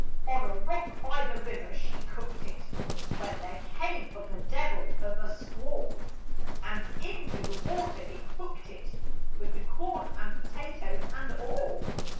On a rock by the river she cooked it, When there came up a devil of a squall; And into the water it hooked it, With the corn and potatoes and all.